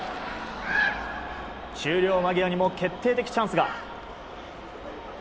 終了間際にも決定的チャンスが。